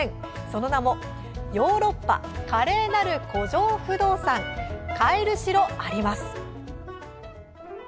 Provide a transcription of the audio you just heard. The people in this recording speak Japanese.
その名も「ヨーロッパ華麗なる古城不動産買える城、あります」。